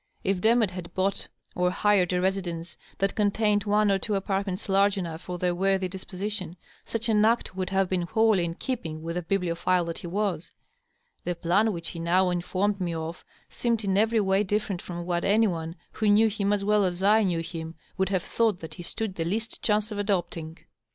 If Demotte had bought or hired a residence that contained one or two apartments large enough for their worthy disposition, such an act would hav^ been wholly in keeping with the bibliophile that he was. The plan which DOUGLAS DUANE. 579 he now informed me of seemed in every way different from what any one who knew him as well as I knew him would have thought that he stood the least chance of adopting.